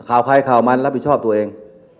ข่าวใครข่าวมันรับผิดชอบตัวเอง